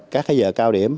các giờ cao điểm